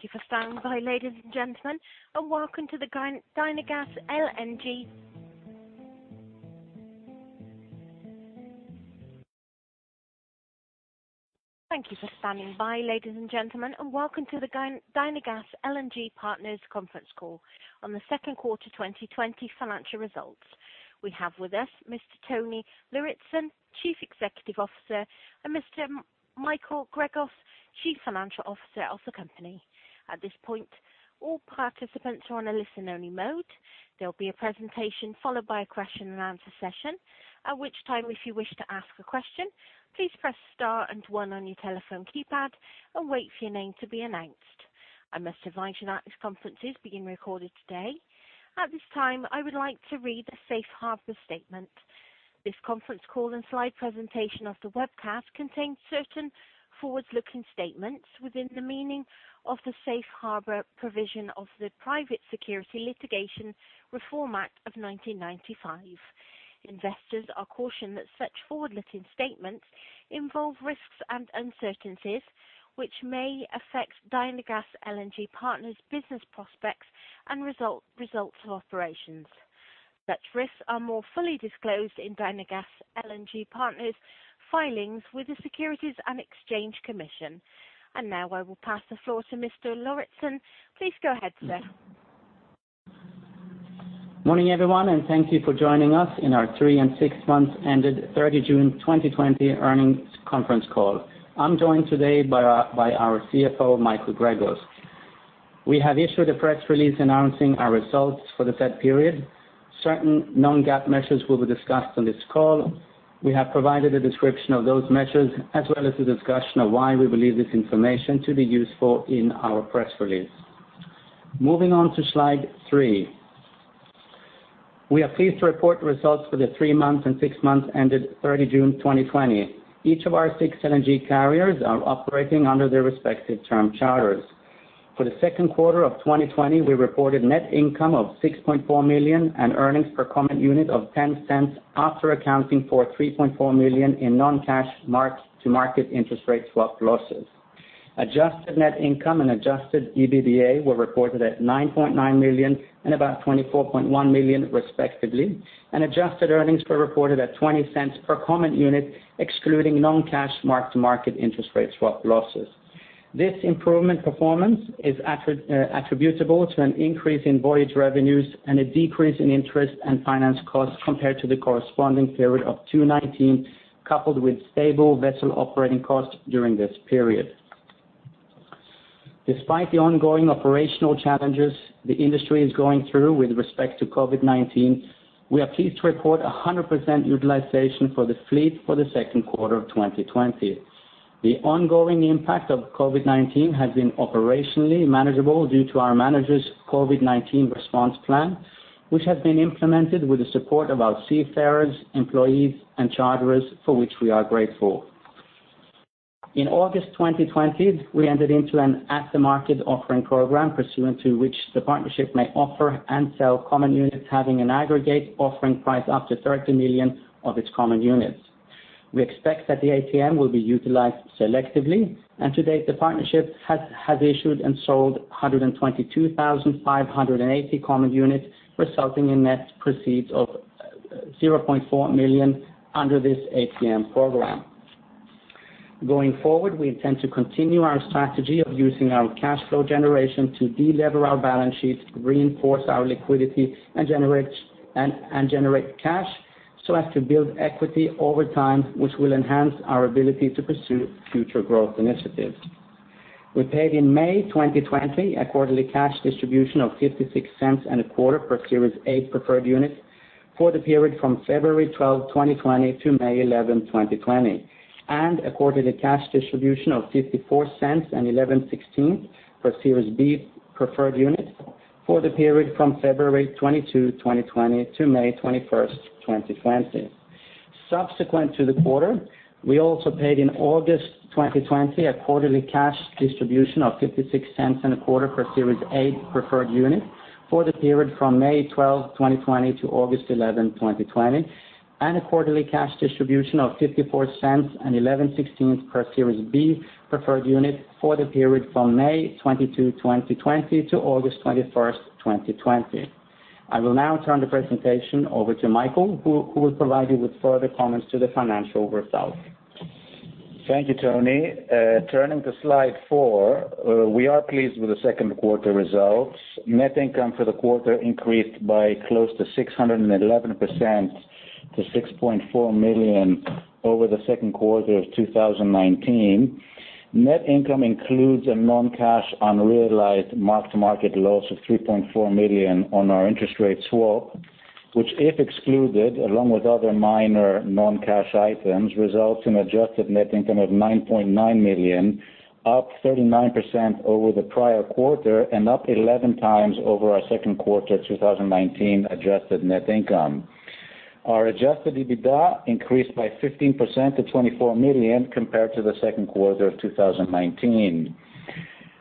Thank you for standing by, ladies and gentlemen, and welcome to the Dynagas LNG Partners conference call on the second quarter 2020 financial results. We have with us Mr. Tony Lauritzen, Chief Executive Officer, and Mr. Michael Gregos, Chief Financial Officer of the company. At this point, all participants are on a listen-only mode. There will be a presentation followed by a question-and-answer session. At which time, if you wish to ask a question, please press star and one on your telephone keypad or wait for your name to be announced. I must advise you now this conference is being recorded today. At this time, I would like to read the Safe Harbor statement. This conference call and slide presentation of the webcast contains certain forward-looking statements within the meaning of the Safe Harbor provision of the Private Securities Litigation Reform Act of 1995. Investors are cautioned that such forward-looking statements involve risks and uncertainties which may affect Dynagas LNG Partners' business prospects and results of operations. Such risks are more fully disclosed in Dynagas LNG Partners filings with the Securities and Exchange Commission. Now I will pass the floor to Mr. Lauritzen. Please go ahead, sir. Morning, everyone, and thank you for joining us in our three- and six-month ended 30 June 2020 earnings conference call. I'm joined today by our CFO, Michael Gregos. We have issued a press release announcing our results for the said period. Certain non-GAAP measures will be discussed on this call. We have provided a description of those measures as well as a discussion of why we believe this information to be useful in our press release. Moving on to slide three. We are pleased to report results for the three months and six months ended 30 June 2020. Each of our six LNG carriers are operating under their respective term charter. For the second quarter of 2020, we reported net income of $6.4 million and earnings per common unit of $0.10 after accounting for $3.4 million in non-cash mark-to-market interest rate swap losses. Adjusted net income and adjusted EBITDA were reported at $9.9 million and about $24.1 million, respectively, and adjusted earnings were reported at $0.20 per common unit, excluding non-cash mark-to-market interest rate swap losses. This improvement performance is attributable to an increase in voyage revenues and a decrease in interest and finance costs compared to the corresponding period of 2019, coupled with stable vessel operating costs during this period. Despite the ongoing operational challenges the industry is going through with respect to COVID-19, we are pleased to report 100% utilization for the fleet for the second quarter of 2020. The ongoing impact of COVID-19 has been operationally manageable due to our managers' COVID-19 response plan, which has been implemented with the support of our seafarers, employees, and charterers, for which we are grateful. In August 2020, we entered into an at-the-market offering program, pursuant to which the partnership may offer and sell common units having an aggregate offering price up to $30 million of its common units. We expect that the ATM will be utilized selectively, and to date, the partnership has issued and sold 122,580 common units, resulting in net proceeds of $0.4 million under this ATM program. Going forward, we intend to continue our strategy of using our cash flow generation to de-lever our balance sheets, reinforce our liquidity, and generate cash so as to build equity over time, which will enhance our ability to pursue future growth initiatives. We paid in May 2020, a quarterly cash distribution of $0.56 and a quarter per Series A preferred unit for the period from February 12, 2020 to May 11, 2020, and a quarterly cash distribution of $0.54 and 11/16th per Series B preferred unit for the period from February 22, 2020 to May 21st, 2020. Subsequent to the quarter, we also paid in August 2020 a quarterly cash distribution of $0.56 and a quarter per Series A preferred unit for the period from May 12, 2020 to August 11, 2020, and a quarterly cash distribution of $0.54 and 11/16th per Series B preferred unit for the period from May 22, 2020 to August 21st, 2020. I will now turn the presentation over to Michael, who will provide you with further comments to the financial results. Thank you, Tony. Turning to slide four. We are pleased with the second-quarter results. Net income for the quarter increased by close to 611% to $6.4 million over the second quarter of 2019. Net income includes a non-cash unrealized mark-to-market loss of $3.4 million on our interest rate swap, which, if excluded, along with other minor non-cash items, results in adjusted net income of $9.9 million, up 39% over the prior quarter and up 11 times over our second quarter 2019 adjusted net income. Our adjusted EBITDA increased by 15% to $24 million compared to the second quarter of 2019.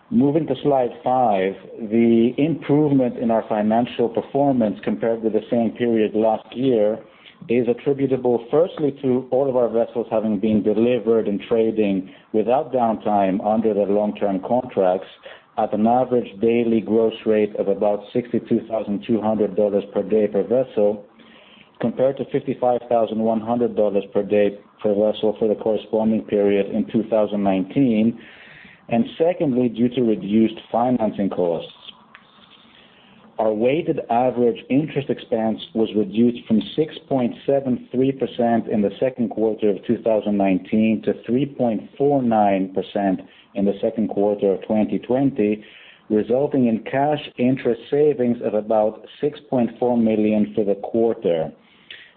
Moving to slide five. The improvement in our financial performance compared with the same period last year is attributable firstly to all of our vessels having been delivered and trading without downtime under their long-term contracts at an average daily gross rate of about $62,200 per day per vessel, compared to $55,100 per day per vessel for the corresponding period in 2019, and secondly, due to reduced financing costs. Our weighted average interest expense was reduced from 6.73% in the second quarter of 2019 to 3.49% in the second quarter of 2020, resulting in cash interest savings of about $6.4 million for the quarter.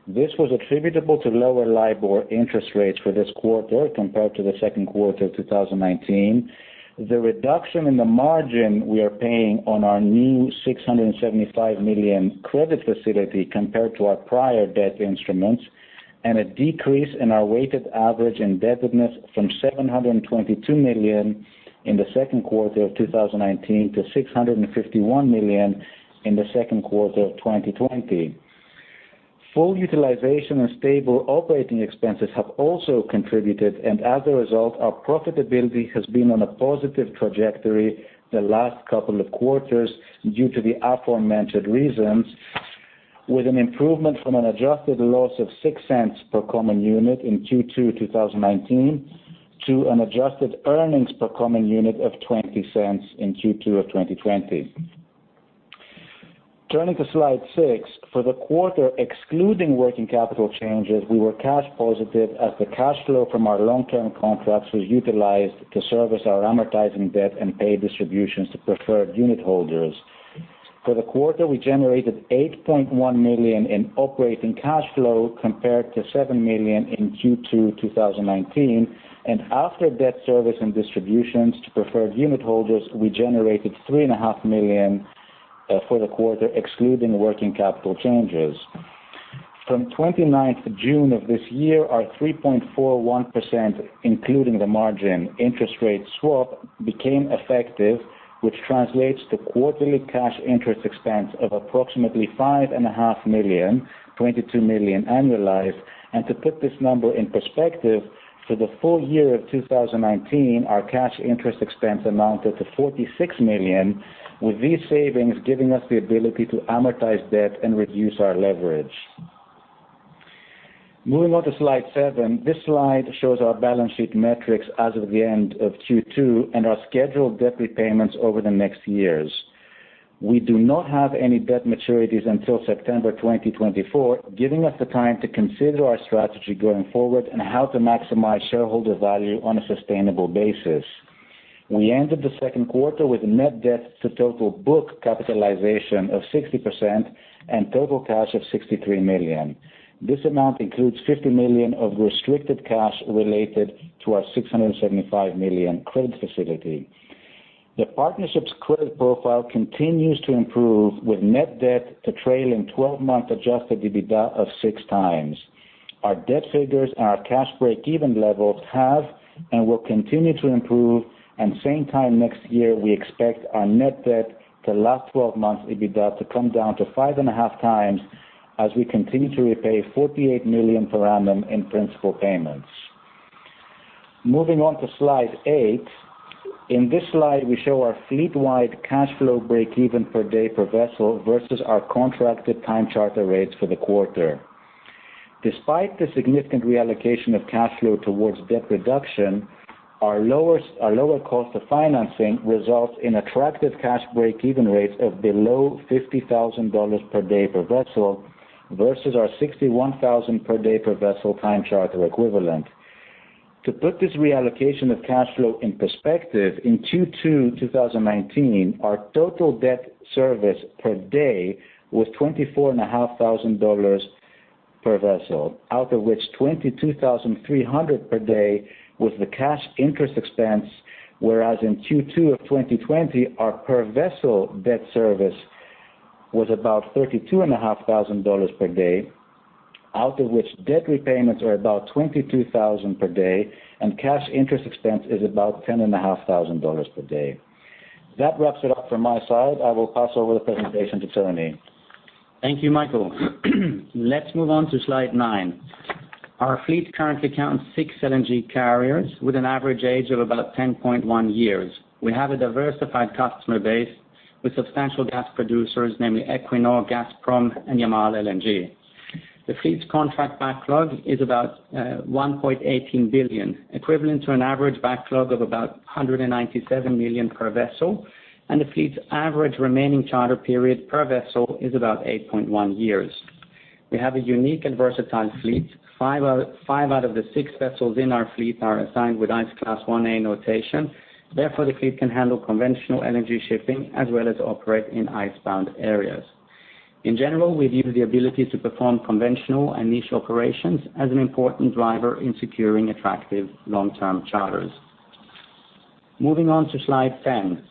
This was attributable to lower LIBOR interest rates for this quarter compared to the second quarter of 2019. The reduction in the margin we are paying on our new $675 million credit facility compared to our prior debt instruments and a decrease in our weighted average indebtedness from $722 million in the second quarter of 2019 to $651 million in the second quarter of 2020. Full utilization and stable operating expenses have also contributed, and as a result, our profitability has been on a positive trajectory the last couple of quarters due to the aforementioned reasons, with an improvement from an adjusted loss of $0.06 per common unit in Q2 2019 to an adjusted earnings per common unit of $0.20 in Q2 of 2020. Turning to slide six. For the quarter, excluding working capital changes, we were cash positive, as the cash flow from our long-term contracts was utilized to service our amortizing debt and pay distributions to preferred unit holders. For the quarter, we generated $8.1 million in operating cash flow compared to $7 million in Q2 2019, and after debt service and distributions to preferred unit holders, we generated $3.5 million for the quarter, excluding working capital changes. From 29th June of this year, our 3.41%, including the margin interest rate swap, became effective, which translates to quarterly cash interest expense of approximately $5.5 million, $22 million annualized. To put this number in perspective, for the full year of 2019, our cash interest expense amounted to $46 million, with these savings giving us the ability to amortize debt and reduce our leverage. Moving on to slide seven. This slide shows our balance sheet metrics as of the end of Q2 and our scheduled debt repayments over the next years. We do not have any debt maturities until September 2024, giving us the time to consider our strategy going forward and how to maximize shareholder value on a sustainable basis. We ended the second quarter with net debt to total book capitalization of 60% and total cash of $63 million. This amount includes $50 million of restricted cash related to our $675 million credit facility. The partnership's credit profile continues to improve, with net debt to trailing 12-month adjusted EBITDA of 6x. Our debt figures and our cash breakeven levels have and will continue to improve. Same time next year, we expect our net debt to last 12 months' EBITDA to come down to 5.5x as we continue to repay $48 million per annum in principal payments. Moving on to slide eight. In this slide, we show our fleet-wide cash flow breakeven per day per vessel versus our contracted time charter rates for the quarter. Despite the significant reallocation of cash flow towards debt reduction, our lower cost of financing results in attractive cash breakeven rates of below $50,000 per day per vessel versus our $61,000 per day per vessel time charter equivalent. To put this reallocation of cash flow in perspective, in Q2 2019, our total debt service per day was $24,500 per vessel, out of which $22,300 per day was the cash interest expense, whereas in Q2 of 2020, our per-vessel debt service was about $32,500 per day. Out of which, debt repayments are about $22,000 per day, and cash interest expense is about $10,500 per day. That wraps it up from my side. I will pass over the presentation to Tony. Thank you, Michael. Let's move on to slide nine. Our fleet currently counts six LNG carriers with an average age of about 10.1 years. We have a diversified customer base with substantial gas producers, namely Equinor, Gazprom, and Yamal LNG. The fleet's contract backlog is about $1.18 billion, equivalent to an average backlog of about $197 million per vessel, and the fleet's average remaining charter period per vessel is about 8.1 years. We have a unique and versatile fleet. Five out of the six vessels in our fleet are assigned with Ice Class 1A notation. Therefore, the fleet can handle conventional LNG shipping as well as operate in ice-bound areas. In general, we view the ability to perform conventional and niche operations as an important driver in securing attractive long-term charters. Moving on to slide 10.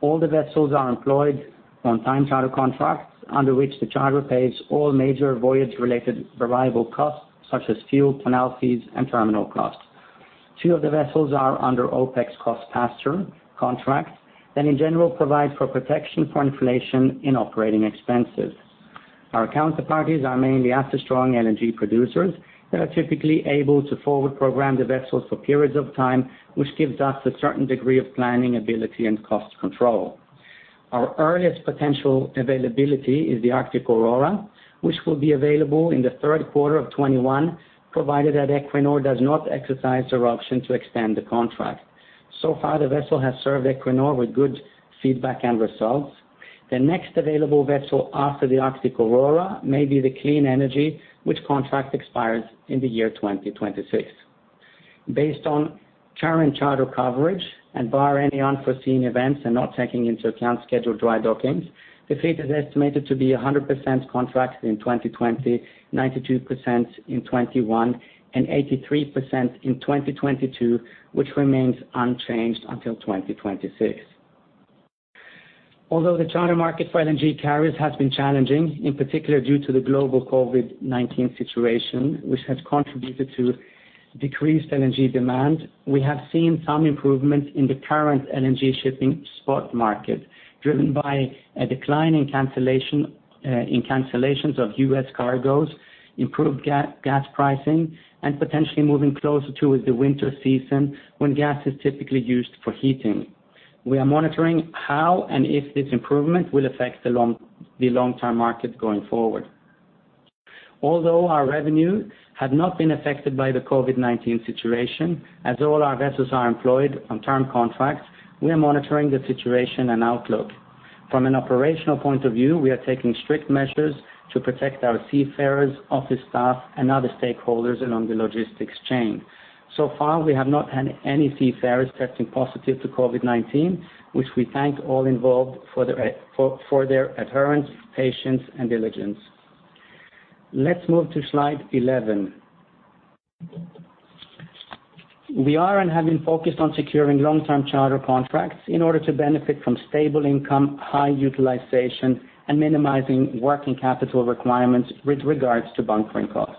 All the vessels are employed on time charter contracts, under which the charterer pays all major voyage-related variable costs, such as fuel, canal fees, and terminal costs. Two of the vessels are under OPEX cost pass-through contracts that in general provide for protection for inflation in operating expenses. Our counterparties are mainly asset-strong LNG producers that are typically able to forward-program the vessels for periods of time, which gives us a certain degree of planning ability and cost control. Our earliest potential availability is the Arctic Aurora, which will be available in the third quarter of 2021, provided that Equinor does not exercise their option to extend the contract. So far, the vessel has served Equinor with good feedback and results. The next available vessel after the Arctic Aurora may be the Clean Energy, which contract expires in the year 2026. Based on current charter coverage, and bar any unforeseen events, and not taking into account scheduled dry dockings, the fleet is estimated to be 100% contracted in 2020, 92% in 2021, and 83% in 2022, which remains unchanged until 2026. Although the charter market for LNG carriers has been challenging, in particular due to the global COVID-19 situation, which has contributed to decreased LNG demand, we have seen some improvement in the current LNG shipping spot market, driven by a decline in cancellations of U.S. cargoes, improved gas pricing, and potentially moving closer to the winter season, when gas is typically used for heating. We are monitoring how and if this improvement will affect the long-term market going forward. Although our revenue had not been affected by the COVID-19 situation, as all our vessels are employed on term contracts, we are monitoring the situation and outlook. From an operational point of view, we are taking strict measures to protect our seafarers, office staff, and other stakeholders along the logistics chain. So far, we have not had any seafarers testing positive to COVID-19, which we thank all involved for their adherence, patience, and diligence. Let's move to slide 11. We are and have been focused on securing long-term charter contracts in order to benefit from stable income, high utilization, and minimizing working capital requirements with regard to bunkering costs.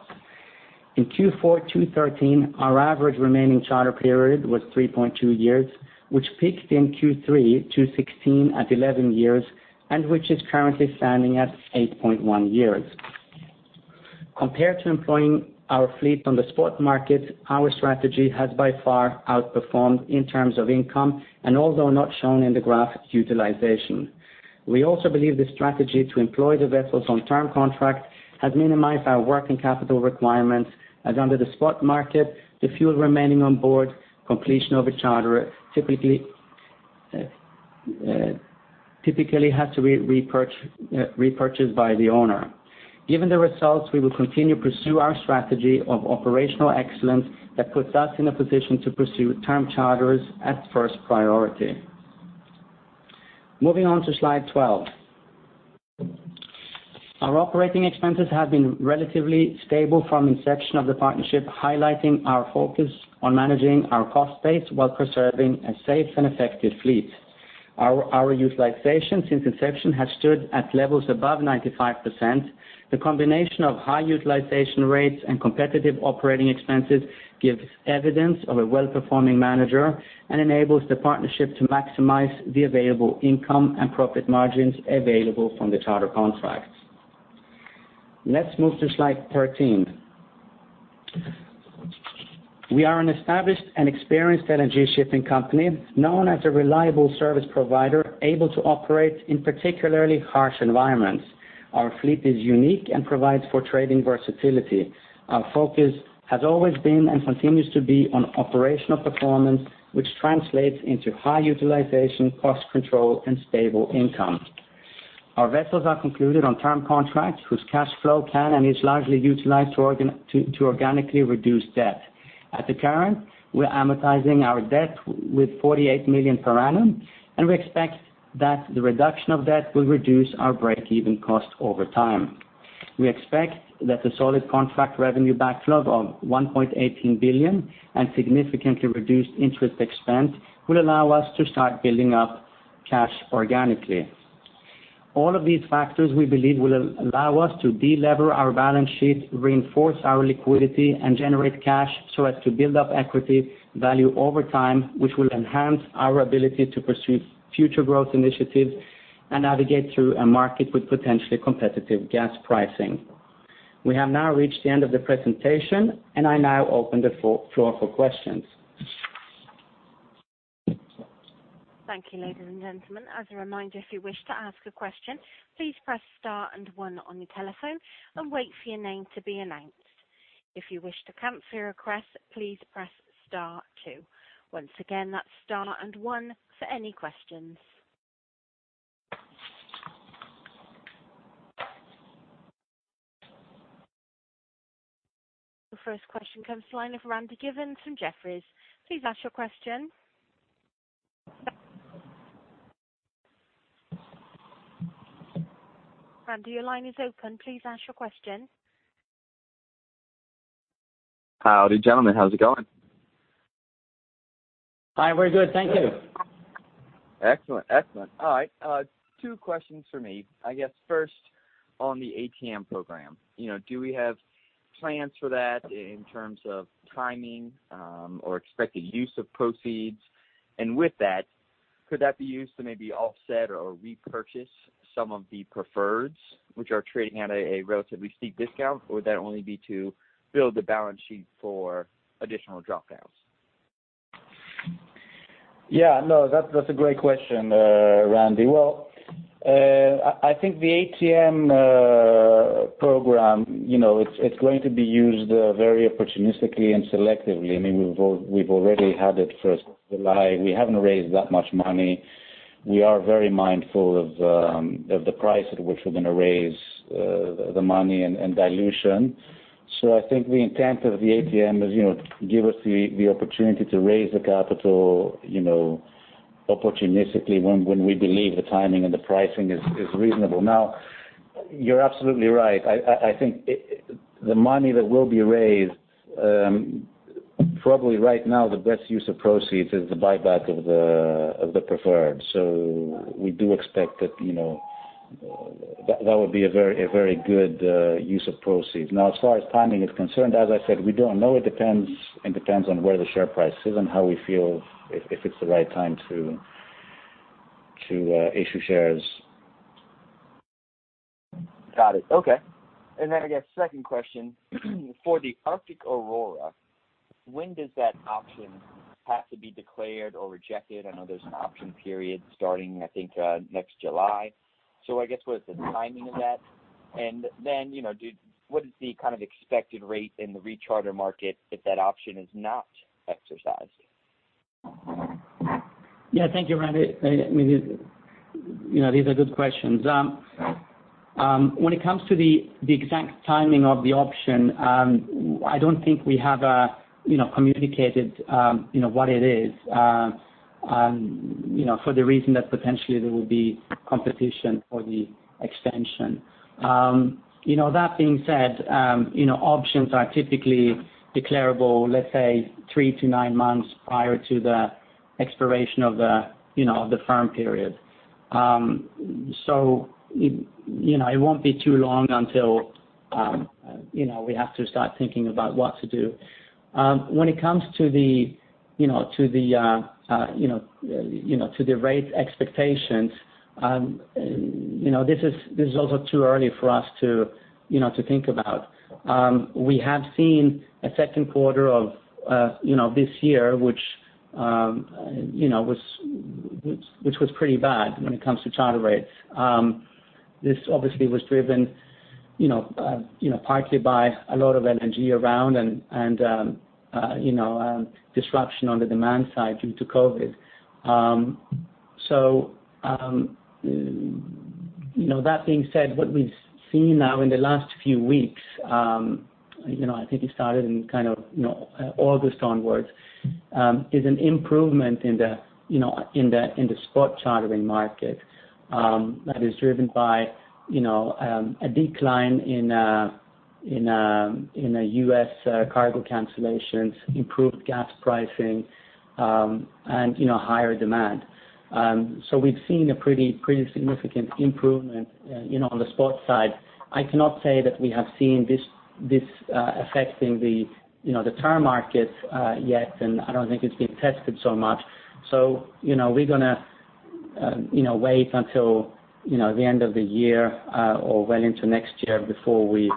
In Q4 2013, our average remaining charter period was 3.2 years, which peaked in Q3 2016 at 11 years and which is currently standing at 8.1 years. Compared to employing our fleet on the spot market, our strategy has by far outperformed in terms of income and, although not shown in the graph, utilization. We also believe the strategy to employ the vessels on term contracts has minimized our working capital requirements, as under the spot market, the fuel remaining on board completion of a charter typically has to be repurchased by the owner. Given the results, we will continue to pursue our strategy of operational excellence that puts us in a position to pursue term charters as first priority. Moving on to slide 12. Our operating expenses have been relatively stable from inception of the partnership, highlighting our focus on managing our cost base while preserving a safe and effective fleet. Our utilization since inception has stood at levels above 95%. The combination of high utilization rates and competitive operating expenses gives evidence of a well-performing manager and enables the partnership to maximize the available income and profit margins available from the charter contracts. Let's move to slide 13. We are an established and experienced LNG shipping company, known as a reliable service provider able to operate in particularly harsh environments. Our fleet is unique and provides for trading versatility. Our focus has always been, and continues to be, on operational performance, which translates into high utilization, cost control, and stable income. Our vessels are concluded on term contracts whose cash flow can and is largely utilized to organically reduce debt. At the current, we are amortizing our debt with $48 million per annum, and we expect that the reduction of debt will reduce our break-even cost over time. We expect that the solid contract revenue backlog of $1.18 billion and significantly reduced interest expense will allow us to start building up cash organically. All of these factors, we believe, will allow us to de-lever our balance sheet, reinforce our liquidity, and generate cash so as to build up equity value over time, which will enhance our ability to pursue future growth initiatives and navigate through a market with potentially competitive gas pricing. We have now reached the end of the presentation, and I now open the floor for questions. Thank you, ladies and gentlemen. As a reminder, if you wish to ask a question, please press star and one on your telephone and wait for your name to be announced. If you wish to cancel your request, please press star two. Once again, that's star and one for any questions. The first question comes to line of Randy Giveans from Jefferies. Please ask your question. Randy, your line is open. Please ask your question. Howdy, gentlemen. How's it going? Hi, we're good. Thank you. Excellent. All right. Two questions for me. I guess first on the ATM program, do we have plans for that in terms of timing or expected use of proceeds? With that, could that be used to maybe offset or repurchase some of the preferreds, which are trading at a relatively steep discount? Would that only be to build the balance sheet for additional drop-downs? Yeah. No, that's a great question, Randy. Well, I think the ATM program, it's going to be used very opportunistically and selectively. We've already had it for July. We haven't raised that much money. We are very mindful of the price at which we're going to raise the money and dilution. I think the intent of the ATM is to give us the opportunity to raise the capital opportunistically when we believe the timing and the pricing is reasonable. You're absolutely right. I think the money that will be raised, probably right now the best use of proceeds is the buyback of the preferred. We do expect that that would be a very good use of proceeds. As far as timing is concerned, as I said, we don't know. It depends on where the share price is and how we feel if it's the right time to issue shares. Got it. Okay. I guess the second question, for the Arctic Aurora, when does that option have to be declared or rejected? I know there's an option period starting, I think, next July. I guess what is the timing of that? What is the kind of expected rate in the re-charter market if that option is not exercised? Yeah, thank you, Randy. These are good questions. When it comes to the exact timing of the option, I don't think we have communicated what it is, for the reason that potentially there will be competition for the extension. That being said, options are typically declarable, let's say, three to nine months prior to the expiration of the firm period. It won't be too long until we have to start thinking about what to do. When it comes to the rate expectations, this is also too early for us to think about. We have seen a second quarter of this year, which was pretty bad when it comes to charter rates. This obviously was driven partly by a lot of LNG around and disruption on the demand side due to COVID. That being said, what we've seen now in the last few weeks, I think it started in kind of August onwards, is an improvement in the spot chartering market that is driven by a decline in the U.S. cargo cancellations, improved gas pricing, and higher demand. We've seen a pretty significant improvement on the spot side. I cannot say that we have seen this affecting the charter markets yet, and I don't think it's been tested so much. We're going to wait until the end of the year or well into next year before we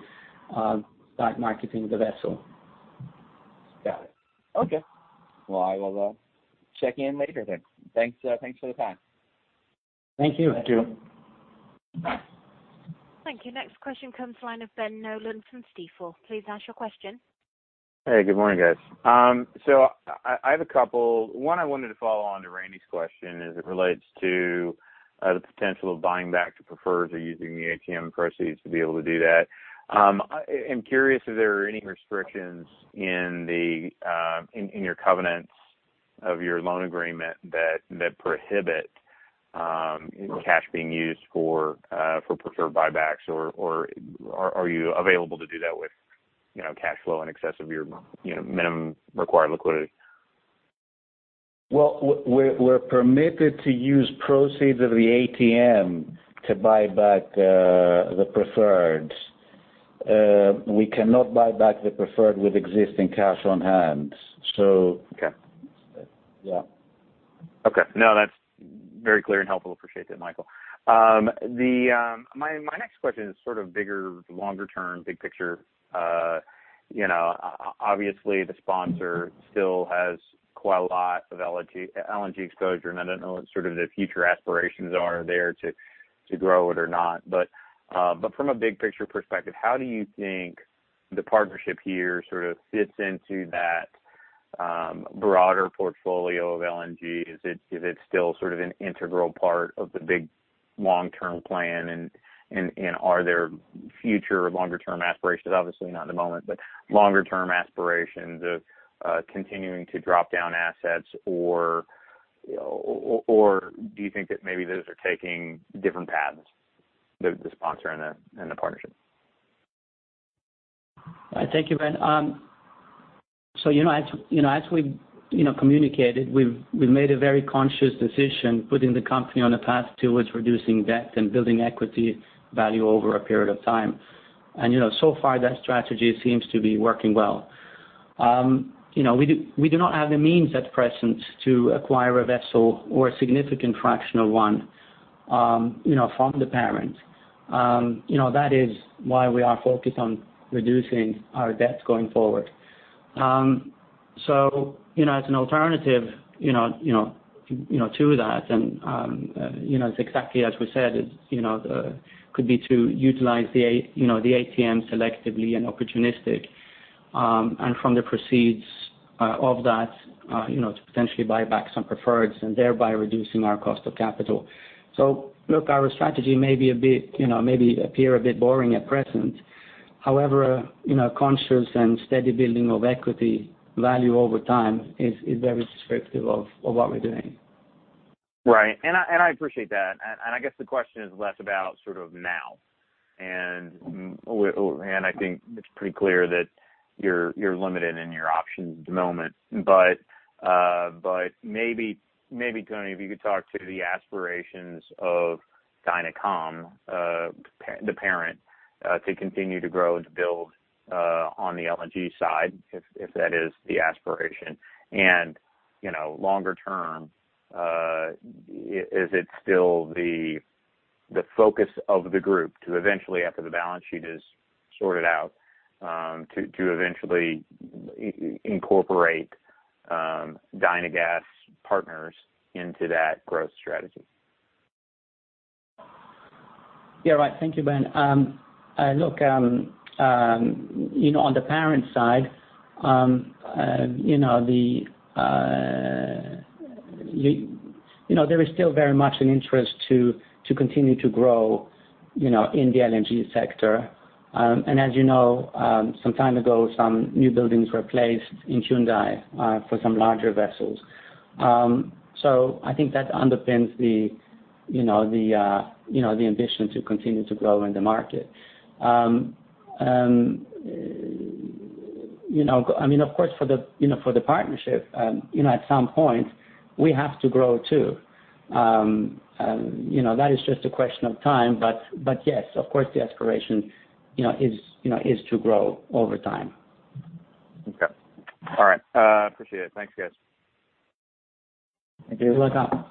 start marketing the vessel. Got it. Okay. Well, I will check in later then. Thanks for the time. Thank you. Thank you. Thank you. Next question comes from the line of Ben Nolan from Stifel. Please ask your question. Hey, good morning, guys. I have a couple. One, I wanted to follow on to Randy's question as it relates to the potential of buying back the preferreds or using the ATM proceeds to be able to do that. I'm curious if there are any restrictions in your covenants of your loan agreement that prohibit cash being used for preferred buybacks, or are you available to do that with cash flow in excess of your minimum required liquidity? Well, we're permitted to use proceeds of the ATM to buy back the preferreds. We cannot buy back the preferred with existing cash on hand. Okay Yes. Okay. No, that's very clear and helpful. Appreciate that, Michael. My next question is sort of bigger, longer-term, big picture. Obviously, the sponsor still has quite a lot of LNG exposure, and I don't know what sort of the future aspirations are there to grow it or not. From a big picture perspective, how do you think the partnership here sort of fits into that broader portfolio of LNG? Is it still sort of an integral part of the big long-term plan, and are there future longer-term aspirations? obviously not at the moment, but longer-term aspirations of continuing to drop down assets, or do you think that maybe those are taking different paths, the sponsor and the partnership? Thank you, Ben. As we communicated, we've made a very conscious decision, putting the company on a path towards reducing debt and building equity value over a period of time. So far, that strategy seems to be working well. We do not have the means at present to acquire a vessel or a significant fraction of one from the parent. That is why we are focused on reducing our debt going forward. As an alternative to that, and it's exactly as we said, it could be to utilize the ATM selectively and opportunistic, and from the proceeds of that, to potentially buy back some preferreds and thereby reducing our cost of capital. Look, our strategy may appear a bit boring at present. However, conscious and steady building of equity value over time is very descriptive of what we're doing. Right. I appreciate that. I guess the question is less about now. I think it's pretty clear that you're limited in your options at the moment. Maybe, Tony, if you could talk to the aspirations of Dynagas Holding Ltd., the parent, to continue to grow and build on the LNG side, if that is the aspiration. Longer term, is it still the focus of the group to eventually, after the balance sheet is sorted out, to eventually incorporate Dynagas Partners into that growth strategy? Yeah. Right. Thank you, Ben. Look, on the parent side, there is still very much an interest to continue to grow in the LNG sector. As you know, some time ago, some newbuildings were placed in Hyundai for some larger vessels. I think that underpins the ambition to continue to grow in the market. Of course, for the partnership, at some point, we have to grow, too. That is just a question of time. Yes, of course, the aspiration is to grow over time. Okay. All right. Appreciate it. Thanks, guys. Thank you. You're welcome.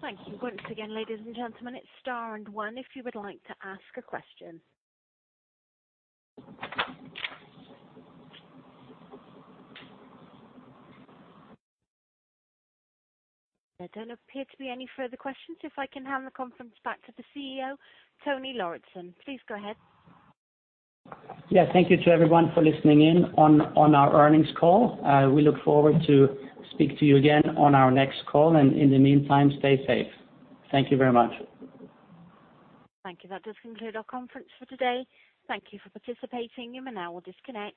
Thank you. Once again, ladies and gentlemen, it's star and one if you would like to ask a question. There don't appear to be any further questions. If I can hand the conference back to the CEO, Tony Lauritzen. Please go ahead. Yeah. Thank you to everyone for listening in on our earnings call. We look forward to speak to you again on our next call, and in the meantime, stay safe. Thank you very much. Thank you. That does conclude our conference for today. Thank you for participating. We now will disconnect.